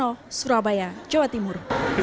dan arno surabaya jawa timur